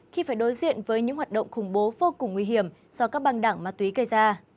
khi phải đối diện với những hoạt động khủng bố vô cùng nguy hiểm do các băng đảng ma túy gây ra